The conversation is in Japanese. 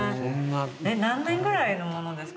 何年ぐらいのものですか？